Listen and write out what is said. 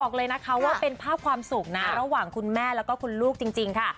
บอกเลยนะคะว่าเป็นภาพความสุขนะระหว่างคุณแม่แล้วก็คุณลูกจริงค่ะ